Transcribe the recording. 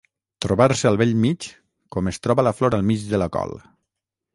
Trobar-se al bell mig com es troba la flor al mig de la col.